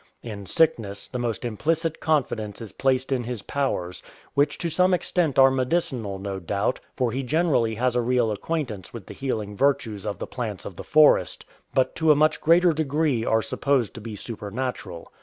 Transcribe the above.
In sickness, the most implicit confidence is placed in his powers, which to some extent are medicinal no doubt, for he generally has a real acquaintance with the healing virtues of the plants of the forest, but to a much greater degree are supposed to be supernatural.